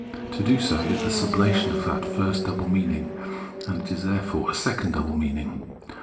To do so is the subla tion of that first double meaning, and is therefore a second double meaning.